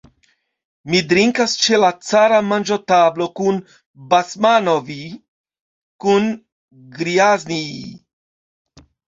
Mi drinkas ĉe la cara manĝotablo kun Basmanov'j, kun Grjaznij'j.